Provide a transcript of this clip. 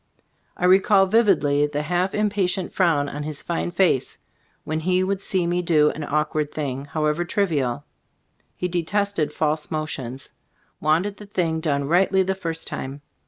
I recall vividly the half impatient £be Storg of flSB <JbtK>boo& 95 frown on his fine face when he would see me do an awkward thing, however trivial. He detested false motions; wanted the thing done rightly the first time.